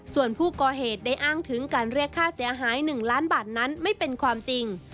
ส่วนผู้ก่อเหตุได้อ้างถึงการเรียกค่าเสียหาย๑ล้านบาทนั้นไม่เป็นความจริง